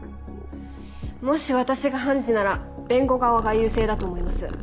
もし私が判事なら弁護側が優勢だと思います。